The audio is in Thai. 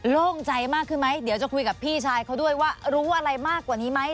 โล่งใจมากขึ้นไหมเดี๋ยวจะคุยกับพี่ชายเขาด้วยว่ารู้อะไรมากกว่านี้ไหม